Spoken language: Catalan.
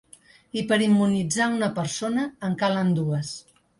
I per immunitzar una persona en calen dues.